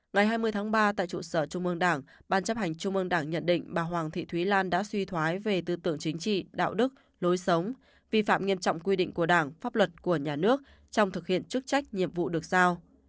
ngày hai mươi tháng ba tại trụ sở trung ương đảng ban chấp hành trung ương đảng nhận định bà hoàng thị thúy lan đã suy thoái về tư tưởng chính trị đạo đức lối sống vi phạm nghiêm trọng quy định của đảng pháp luật của nhà nước trong thực hiện chức trách nhiệm vụ được sao